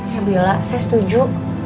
ya bu yola saya setuju